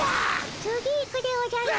次行くでおじゃる。